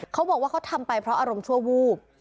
เขาบอกว่าเขาทำไปเพราะอารมณ์ชั่ววูบ